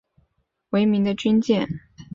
她是美军第一艘以北达科他州为名的军舰。